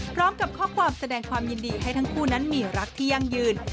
พร้อมกับข้อความแสดงความยินดีให้ทั้งคู่นั้นมีรักที่ยั่งยืน